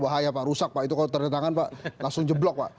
bahaya pak rusak pak